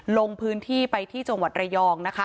ลงพื้นที่ไปที่จังหวัดระยองนะคะ